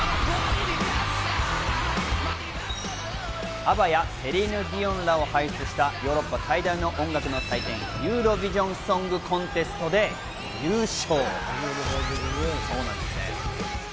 ＡＢＢＡやセリーヌ・ディオンらを輩出したヨーロッパ最大の音楽の祭典、ユーロヴィジョン・ソング・コンテストで優勝。